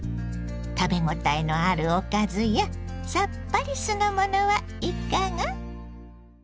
食べ応えのあるおかずやさっぱり酢の物はいかが？